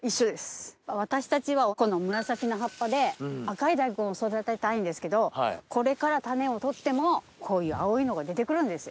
私たちはこの紫の葉っぱで赤い大根を育てたいんですけどこれから種を取ってもこういう青いのが出てくるんですよ。